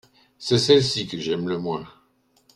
C’est celle-ci que j’aime le moins.